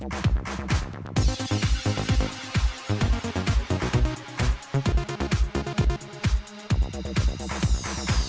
โอเคโอเคโอเค